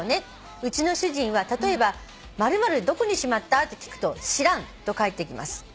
「うちの主人は例えば『○○どこにしまった？』と聞くと『知らん』と返ってきます」